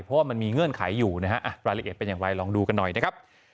เพราะว่ามันมีเงื่อนไขอยู่นะฮะรายละเอียดเป็นอย่างไรลองดูกันหน่อยนะครับ